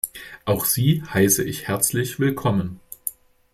Auch Sie heiße ich herzlich willkommen!